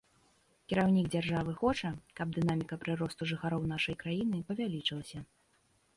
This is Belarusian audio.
Кіраўнік дзяржавы хоча, каб дынаміка прыросту жыхароў нашай краіны павялічылася.